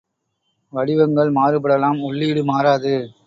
வடிவங்கள் மாறுபடலாம் உள்ளீடு மாறாது.